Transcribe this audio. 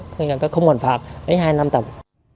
tức là cái khung hoàn phạt lấy hai năm tầng